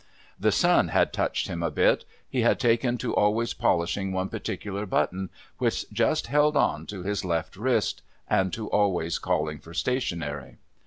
The sun had touched him a bit. He had taken to always polishing one particular l)utton, which just held on to his left wrist, and to always calling for stationery.